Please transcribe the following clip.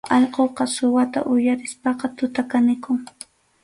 Allquqa suwata uyarispaqa tuta kanikun.